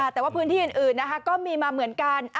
แต่ว่าพื้นที่อื่นก็มีมาเหมือนกัน